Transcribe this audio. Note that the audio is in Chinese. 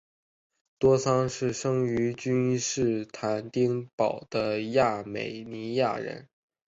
多桑是生于君士坦丁堡的亚美尼亚人。